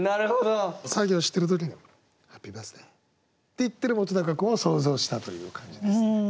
作業してる時に「ＨＡＰＰＹＢＩＲＴＨＤＡＹ」って言ってる本君を想像したという感じです。